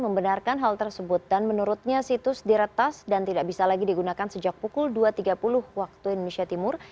membenarkan hal tersebut dan menurutnya situs diretas dan tidak bisa lagi digunakan sejak pukul dua tiga puluh waktu indonesia timur